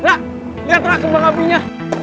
rara lihat rara kebang apinya